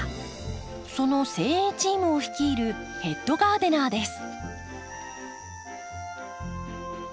その精鋭チームを率いるヘッドガーデナーです。